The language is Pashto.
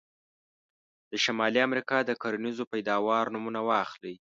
د شمالي امریکا د کرنیزو پیداوارو نومونه واخلئ.